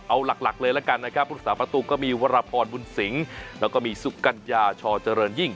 เอาหลักเลยละกันนะครับรักษาประตูก็มีวรพรบุญสิงศ์แล้วก็มีสุกัญญาชอเจริญยิ่ง